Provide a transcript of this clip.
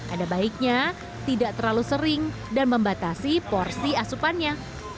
ada baiknya tidak terlalu sering dan membatasi porsi asupannya